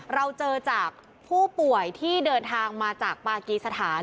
เราเจอจากผู้ป่วยที่เดินทางมาจากปากีสถาน